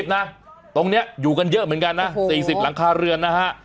นะตรงนี้อยู่กันเยอะเหมือนกันนะ๔๐หลังคาเรือนนะฮะ